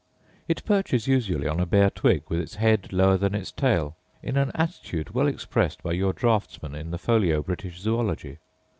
It perches usually on a bare twig, with its head lower than its tail, in an attitude well expressed by your draughtsman in the folio British Zoology.